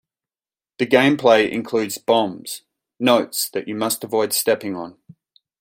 The gameplay includes bombs, notes that you must avoid stepping on.